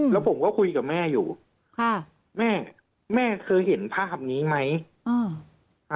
แล้วผมก็คุยกับแม่อยู่ค่ะแม่แม่เคยเห็นภาพนี้ไหมอ่า